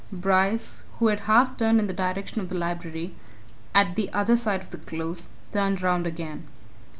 Bryce, who had half turned in the direction of the Library, at the other side of the Close, turned round again.